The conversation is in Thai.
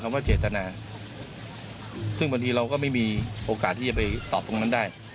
ว่าเจตนาซึ่งบางทีเราก็ไม่มีโอกาสที่จะไปตอบตรงนั้นได้